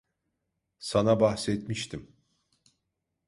Sana bahsetmiştim.